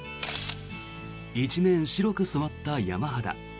一面白く染まった山肌。